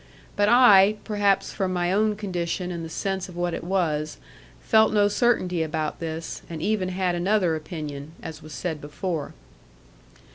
But I (perhaps from my own condition and the sense of what it was) felt no certainty about this, and even had another opinion, as was said before.